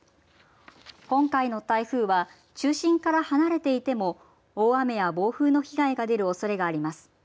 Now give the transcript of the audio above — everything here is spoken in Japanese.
今回の台風は中心から離れていても大雨や暴風の被害が出るおそれがあります。